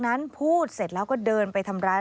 มันเกิดเหตุเป็นเหตุที่บ้านกลัว